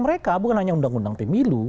mereka bukan hanya undang undang pemilu